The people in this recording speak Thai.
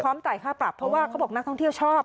จ่ายค่าปรับเพราะว่าเขาบอกนักท่องเที่ยวชอบ